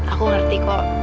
aku ngerti kok